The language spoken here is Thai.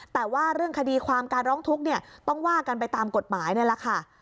แต่ว่าเรื่องคดีความการร้องทุกข์เนี่ยต้องว่ากันไปตามกฎหมายนี่แหละค่ะ